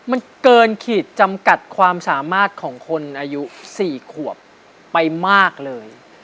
มันเกินขีดจำกัดความสามารถของคนอายุ๔ขวบไปมากเลย